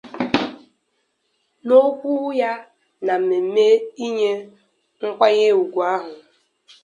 N'okwu ya na mmemme inye nkwanyeugwu ahụ